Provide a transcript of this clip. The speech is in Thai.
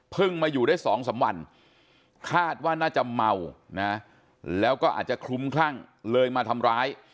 มาอยู่ได้๒๓วันคาดว่าน่าจะเมานะแล้วก็อาจจะคลุ้มคลั่งเลยมาทำร้าย